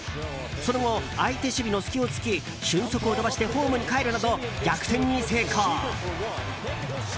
その後、相手守備の隙を突き俊足を飛ばしてホームにかえるなど逆転に成功！